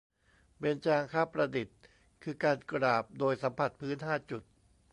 เบญจางคประดิษฐ์ คือการกราบโดยสัมผัสพื้นห้าจุด